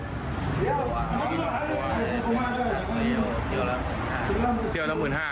๑๕คนแล้ว๑๕คน